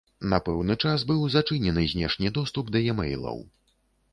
На пэўны час быў зачынены знешні доступ да е-мэйлаў.